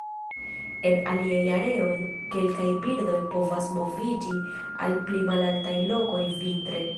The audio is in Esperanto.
En aliaj areoj, kelkaj birdoj povas moviĝi al pli malaltaj lokoj vintre.